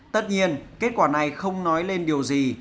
tất nhiên kết quả này không nói lên điều gì